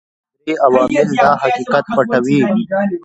درې عوامل دا حقیقت پټوي.